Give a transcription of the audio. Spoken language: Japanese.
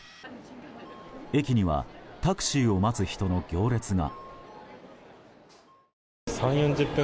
駅にはタクシーを待つ人の行列が。